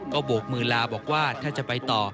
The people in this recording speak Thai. ก็โบกมือลาบอกว่าถ้าจะไปต่อ